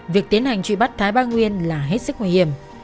việc tiến hành trị bắt thái bang nguyên là hết sức nguy hiểm